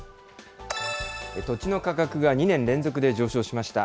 土地の価格が２年連続で上昇しました。